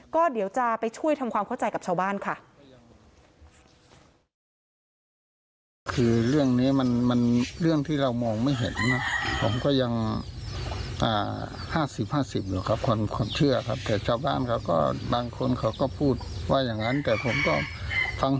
ก็เดี๋ยวจะไปช่วยทำความเข้าใจกับชาวบ้านค่ะ